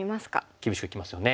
厳しくいきますよね。